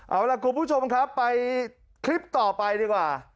เอาล่ะคุณผู้ชมครับไปคลิปต่อไปดีกว่า